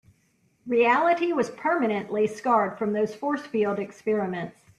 Reality was permanently scarred from those force field experiments.